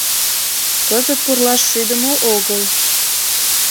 Кызыт пурлаш шӱдымӧ огыл!